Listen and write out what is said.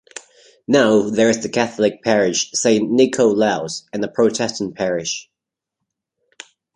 Now there is the Catholic parish "Saint Nikolaus" and a Protestant parish.